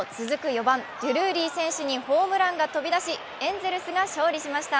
４番・デュルーリー選手にホームランが飛び出しエンゼルスが勝利しました。